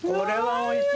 おいしい。